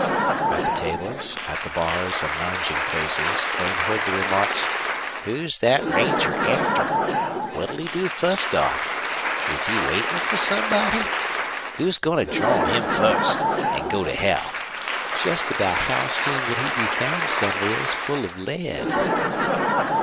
At the tables, at the bars and lounging places Duane heard the remarks: "Who's thet ranger after? What'll he do fust off? Is he waitin' fer somebody? Who's goin' to draw on him fust an' go to hell? Jest about how soon will he be found somewheres full of lead?"